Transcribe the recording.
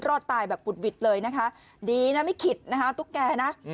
รอดตายแบบอุดหวิดเลยนะคะดีนะไม่ขิดนะคะตุ๊กแกนะ